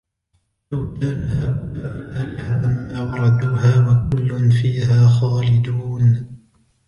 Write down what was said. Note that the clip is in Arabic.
لو كان هؤلاء آلهة ما وردوها وكل فيها خالدون